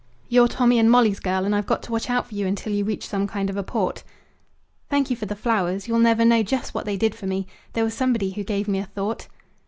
You're Tommy and Molly's girl, and I've got to watch out for you until you reach some kind of a port." "Thank you for the flowers. You'll never know just what they did for me. There was somebody who gave me a thought."